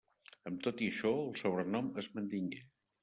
Amb tot i això, el sobrenom es mantingué.